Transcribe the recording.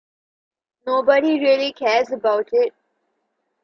Nobody really cares about it.